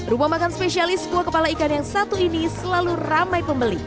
rumah makan spesialis kuah kepala ikan yang satu ini selalu ramai pembeli